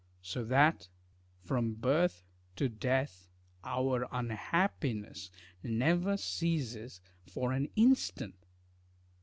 So that from birth to death our unhappiness never ceases for an instant.